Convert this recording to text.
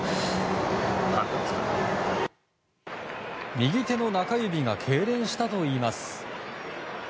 右手の中指がけいれんしたといいます。